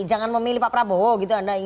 jangan memilih pak prabowo gitu anda ingat kan